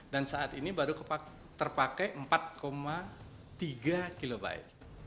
dan saat ini baru terpakai empat koma tiga kilobyte